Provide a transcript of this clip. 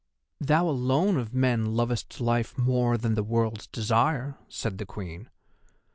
"Thou alone of men lovest life more than the World's Desire!" said the Queen.